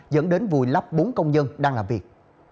dẫn đến vùi lấp bốn công nhân đang làm việc